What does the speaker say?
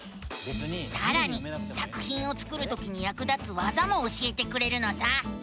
さらに作ひんを作るときにやく立つわざも教えてくれるのさ！